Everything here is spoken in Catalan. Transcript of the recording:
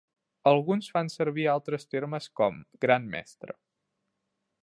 Alguns fan servir altres termes com "gran mestre".